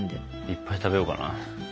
いっぱい食べようかな。